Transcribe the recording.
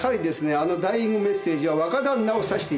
あのダイイングメッセージは若旦那を指していたようです。